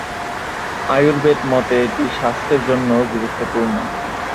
আয়ুর্বেদ মতে, এটি স্বাস্থ্যের জন্যও গুরুত্বপূর্ণ।